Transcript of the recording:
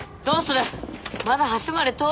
どうする？